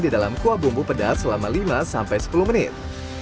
di dalam kuah bumbu pedas selama lima sampai sepuluh menit